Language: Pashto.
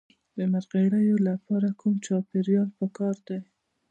د مرخیړیو لپاره کوم چاپیریال پکار دی؟